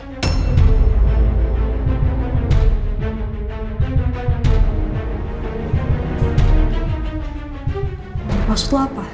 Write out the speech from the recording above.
gue mau ke rumah tempat kece